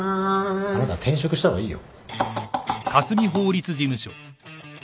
あなた転職した方がいいよ。